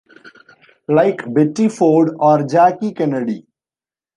Like Betty Ford or Jackie Kennedy.